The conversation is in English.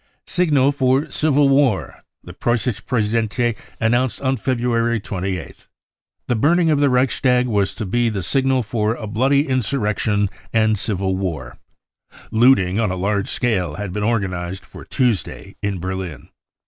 44 Signal tor Civil War." The Pmmische Pressedienst announced on February 28th : u The burning of the Reichstag was to be the signal for a bloody insurrection and civil war. Looting on a large scale had been organised for Tuesday in Berlin.